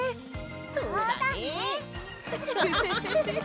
そうだね！